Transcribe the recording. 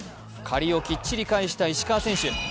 借りをきっちり返した石川選手。